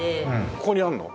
ここにあるの？